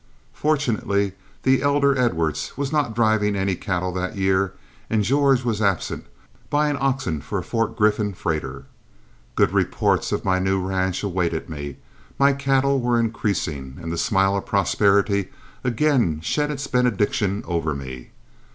Fortunately the elder Edwards was not driving any cattle that year, and George was absent buying oxen for a Fort Griffin freighter. Good reports of my new ranch awaited me, my cattle were increasing, and the smile of prosperity again shed its benediction over me.